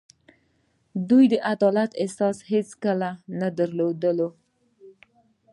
دوی د عدالت احساس هېڅکله نه دی درلودلی.